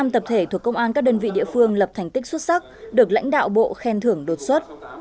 một mươi tập thể thuộc công an các đơn vị địa phương lập thành tích xuất sắc được lãnh đạo bộ khen thưởng đột xuất